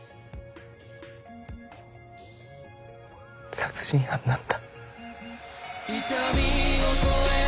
殺人犯なんだ。